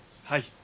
はい。